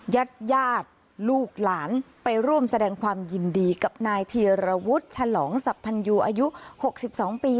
ญาติญาติลูกหลานไปร่วมแสดงความยินดีกับนายธีรวุฒิฉลองสัพพันยูอายุ๖๒ปี